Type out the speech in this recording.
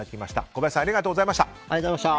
小林さんありがとうございました。